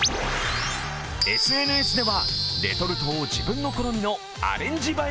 ＳＮＳではレトルトを自分の好みのアレンジ映え